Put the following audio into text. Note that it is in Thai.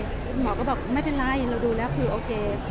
คุณหมอก็บอกไม่เป็นไรเราดูแล้วคือโอเค